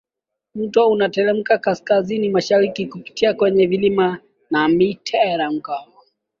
Mto unateremka Kaskazini mashariki kupitia kwenye vilima na miteremko